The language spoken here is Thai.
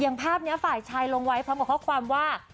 ภาพนี้ฝ่ายชายลงไว้พร้อมกับข้อความว่า